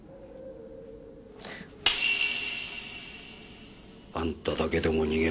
あんただけでも逃げなさい。